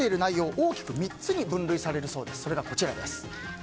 大きく３つに分類されるそうです。